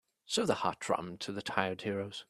Serve the hot rum to the tired heroes.